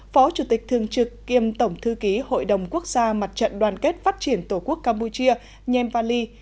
phó chủ tịch thương trực kiêm tổng thư ký hội đồng quốc gia mặt trận đoàn kết phát triển tổ quốc campuchia nhem vali